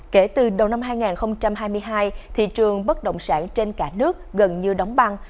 kể từ đầu năm hai nghìn hai mươi hai thị trường bất động sản trên cả nước gần như đóng băng